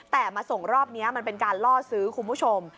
แต่มาส่งรอบนี้มันเป็นการล่อซื้อคุณผู้ชม